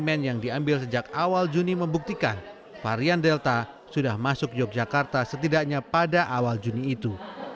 kemen yang diambil sejak awal juni membuktikan varian delta sudah masuk yogyakarta setidaknya pada awal juni itu